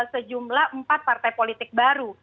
sejumlah empat partai politik baru